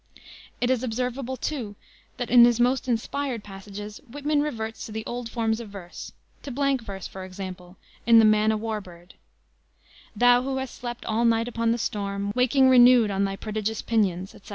It is observable, too, that in his most inspired passages Whitman reverts to the old forms of verse; to blank verse, for example, in the Man o' War Bird: "Thou who hast slept all night upon the storm, Waking renewed on thy prodigious pinions," etc.